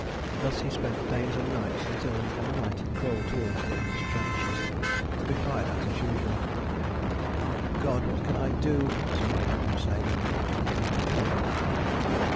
Thus he spent days and nights until, one night, he crawled towards the English trenches, to be fired at as usual. "Oh God! what can I do!" some one heard him say, and he was brought in.